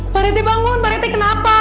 parente bangun parente kenapa